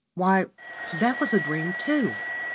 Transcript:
why, that was a dream too!